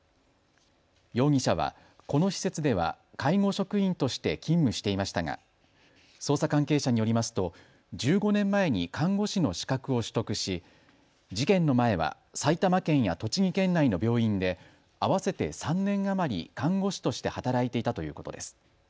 容疑者はこの施設では介護職員として勤務していましたが捜査関係者によりますと１５年前に看護師の資格を取得し事件の前は埼玉県や栃木県内の病院で合わせて３年余り看護師として働いていたということです。